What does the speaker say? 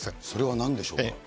それはなんでしょうか。